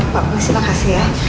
pak pak bu terima kasih ya